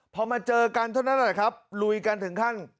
พอมาเจอกันเท่านั้นแหละครับลุยกันถึงขั้น